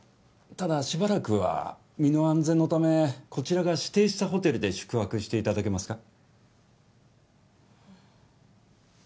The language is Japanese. ただしばらくは身の安全のためこちらが指定したホテルで宿泊していただけますか？